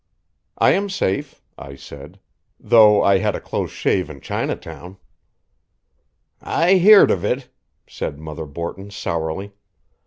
"I am safe," I said, "though I had a close shave in Chinatown." "I heerd of it," said Mother Borton sourly.